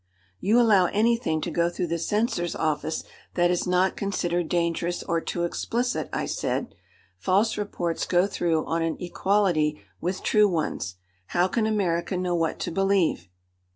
"You allow anything to go through the censor's office that is not considered dangerous or too explicit," I said. "False reports go through on an equality with true ones. How can America know what to believe?"